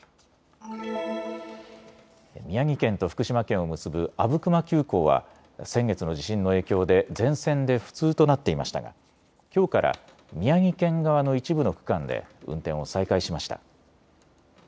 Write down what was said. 宮城県と福島県を結ぶ阿武隈急行は先月の地震の影響で全線で不通となっていましたがきょうから宮城県側の一部の区間で運転を再開しました。